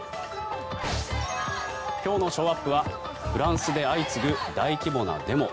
今日のショーアップはフランスで相次ぐ大規模なデモ。